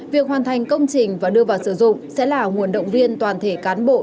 việc hoàn thành công trình và đưa vào sử dụng sẽ là nguồn động viên toàn thể cán bộ